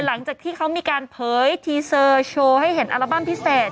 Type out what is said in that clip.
หลังจากที่เขามีการเผยทีเซอร์โชว์ให้เห็นอัลบั้มพิเศษ